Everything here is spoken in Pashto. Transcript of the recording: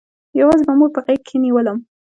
يوازې به مور په غېږ کښې نېولم.